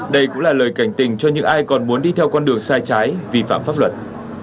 đây cũng là lời cảnh tình cho những ai còn muốn đi theo con đường sai trái vi phạm pháp luật